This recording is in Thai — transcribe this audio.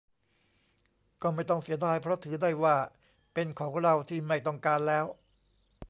ก็ไม่ต้องเสียดาย เพราะถือได้ว่าเป็นของเราที่ไม่ต้องการแล้ว